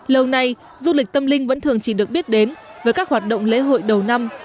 lâu nay du lịch tâm linh vẫn thường chỉ được biết đến với các hoạt động lễ hội đầu năm